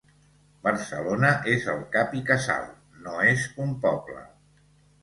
Barcelona és el cap i casal, no és un poble.